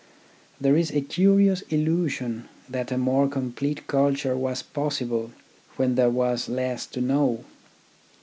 There is a curious illusion that a more complete culture was possible when there was less to know.